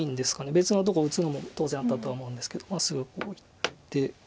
別のとこ打つのも当然あったとは思うんですけどすぐこういって。